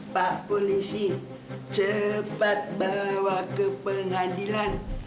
pak polisi cepat bawa ke pengadilan